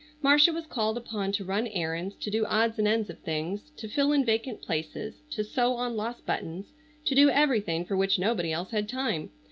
Marcia was called upon to run errands, to do odds and ends of things, to fill in vacant places, to sew on lost buttons, to do everything for which nobody else had time.